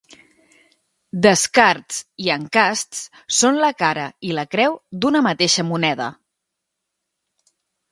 Descarts i encasts són la cara i la creu d'una mateixa moneda.